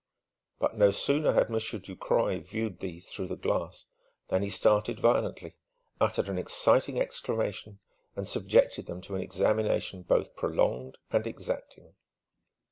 But no sooner had Monsieur Ducroy viewed these through the glass, than he started violently, uttered an excited exclamation, and subjected them to an examination both prolonged and exacting.